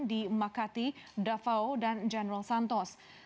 di makati davao dan general santos